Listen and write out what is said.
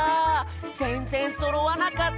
ぜんぜんそろわなかった！